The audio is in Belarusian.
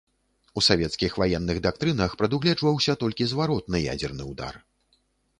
У савецкіх ваенных дактрынах прадугледжваўся толькі зваротны ядзерны ўдар.